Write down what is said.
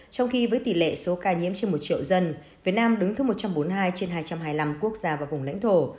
trong khi với tỷ lệ số ca nhiễm trên một triệu dân việt nam đứng thứ một trăm bốn mươi hai trên hai trăm hai mươi năm quốc gia và vùng lãnh thổ